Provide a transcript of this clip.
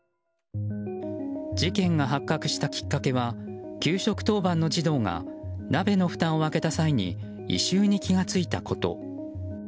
事件が発覚したきっかけは給食当番の児童が鍋のふたを開けた際に異臭に気が付いたこと。